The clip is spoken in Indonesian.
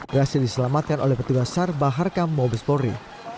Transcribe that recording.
berhasil diselamatkan oleh petugas sar baharkam mabespori